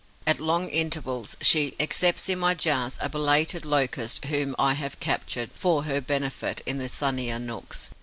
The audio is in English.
At long intervals, she accepts, in my jars, a belated Locust, whom I have captured, for her benefit, in the sunnier nooks.